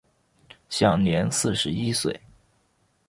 享年四十一岁。